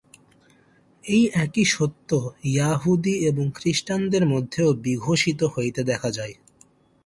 এই একই সত্য য়াহুদী এবং খ্রীষ্টানদের মধ্যেও বিঘোষিত হইতে দেখা যায়।